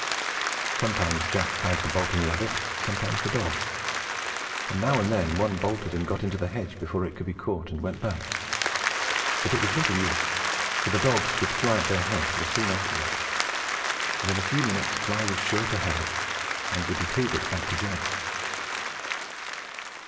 Sometimes Jack bagged the bolting rabbit, sometimes the dogs, and now and then one bolted and got into the hedge before it could be caught and went back, but it was little use, for the dogs with Fly at their head were soon after it, and in a few minutes Fly was sure to have it, and would retrieve it back to Jack.